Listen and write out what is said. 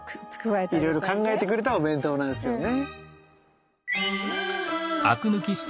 いろいろ考えてくれたお弁当なんですよね。